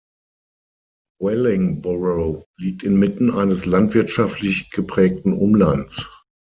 Wellingborough liegt inmitten eines landwirtschaftlich geprägten Umlands.